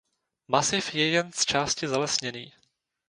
Masiv je jen zčásti zalesněný.